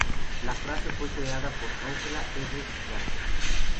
La frase fue creada por Ángela R. Garber.